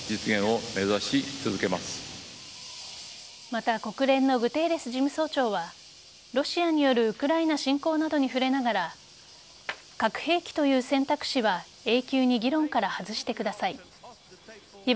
また国連のグテーレス事務総長はロシアによるウクライナ侵攻などに触れながら核兵器という選択肢は永久に議論から外してください。